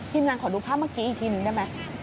งานขอดูภาพเมื่อกี้อีกทีนึงได้ไหม